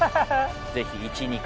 ぜひ１２回。